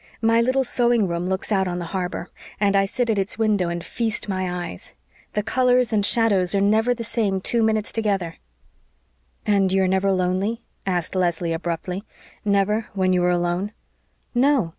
"My little sewing room looks out on the harbor, and I sit at its window and feast my eyes. The colors and shadows are never the same two minutes together." "And you are never lonely?" asked Leslie abruptly. "Never when you are alone?" "No.